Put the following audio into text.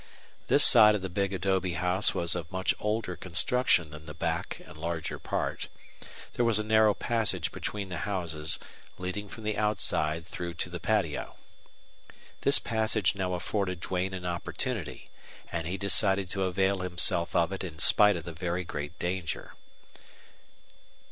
This side of the big adobe house was of much older construction than the back and larger part. There was a narrow passage between the houses, leading from the outside through to the patio. This passage now afforded Duane an opportunity, and he decided to avail himself of it in spite of the very great danger.